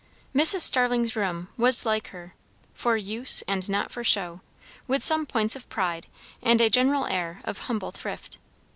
Mrs. Starling's room was like her; for use, and not for show, with some points of pride, and a general air of humble thrift.